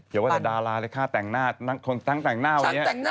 เหมือนว่าแต่ดาราฆ่าแต่งหน้าทั้งแต่งหน้าวันนี้๘หมื่น